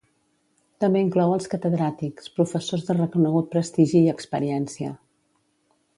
També inclou els catedràtics, professors de reconegut prestigi i experiència.